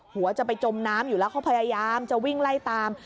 หัวจะไปจมน้ำอยู่แล้วเขาพยายามจะวิ่งไล่ตาม